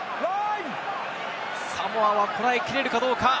サモアはこらえきれるかどうか。